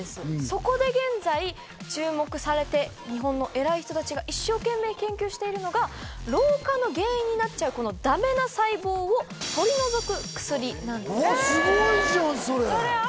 そこで現在注目されて日本の偉い人たちが一生懸命研究しているのが老化の原因になっちゃうこのダメな細胞を取り除く薬なんです。